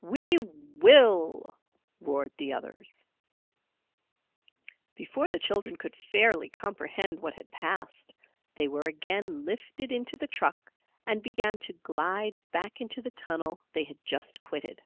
"We will!" roared the others. Before the children could fairly comprehend what had passed, they were again lifted into the truck and began to glide back into the tunnel they had just quitted.